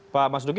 pak mas duki